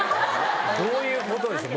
どういうことでしょう？